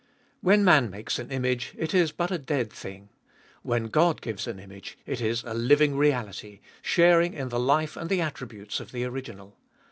When man makes an image, it is but a dead thing. When God gives an image it is a living reality, sharing in the life and the attributes of the original.